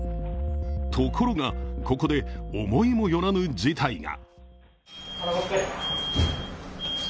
ところが、ここで思いも寄らぬ事態が。